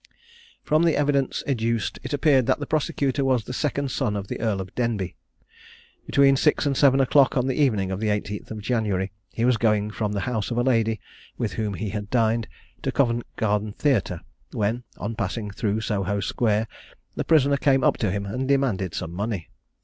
From the evidence adduced, it appeared that the prosecutor was the second son of the Earl of Denbigh. Between six and seven o'clock on the evening of the 18th of January, he was going from the house of a lady, with whom he had dined, to Covent Garden Theatre, when, on passing through Soho square, the prisoner came up to him and demanded some money.